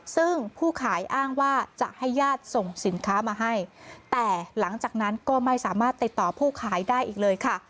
ซึ่งผู้ขายอ้างว่าจะให้ญาติส่งสินค้ามาให้แต่หลังจากนั้นก็ไม่สามารถติดต่อผู้ขายได้อีกเลยค่ะ